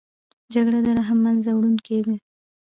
جګړه د رحم له منځه وړونکې ده